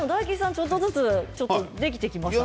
ちょっとずつできてきましたね。